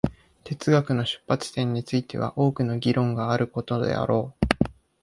哲学の出立点については多くの議論があることであろう。